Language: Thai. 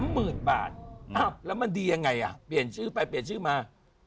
หมื่นบาทอ้าวแล้วมันดียังไงอ่ะเปลี่ยนชื่อไปเปลี่ยนชื่อมา